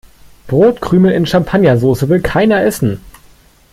Brotkrümel in Champagnersoße will keiner essen.